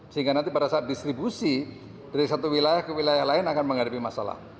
sehingga nanti pada saat distribusi dari satu wilayah ke wilayah lain akan menghadapi masalah